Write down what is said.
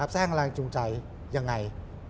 สร้างแรงจูงใจยังไง